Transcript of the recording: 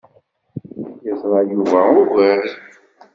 Yeẓra Yuba ugar.